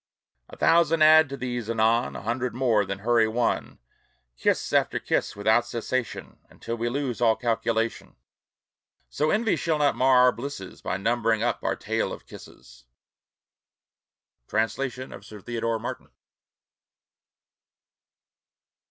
A thousand add to these, anon A hundred more, then hurry one Kiss after kiss without cessation, Until we lose all calculation; So envy shall not mar our blisses By numbering up our tale of kisses. Translation of Sir Theodore Martin.